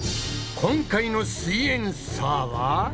今回の「すイエんサー」は？